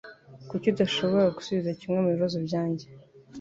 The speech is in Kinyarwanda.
Kuki udashobora gusubiza kimwe mubibazo byanjye?